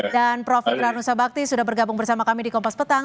dan prof imran nusa bakti sudah bergabung bersama kami di kompas petang